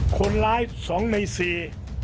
คนร้ายสองในสี่